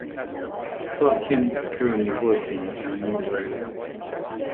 Klark Kent is currently working on a new version.